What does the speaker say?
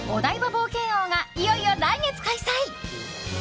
冒険王がいよいよ来月開催。